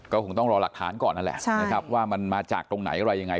ก็คงต้องรอหลักฐานก่อนนั่นแหละนะครับว่ามันมาจากตรงไหนอะไรยังไง